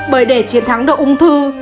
bởi để chiến thắng đậu ung thư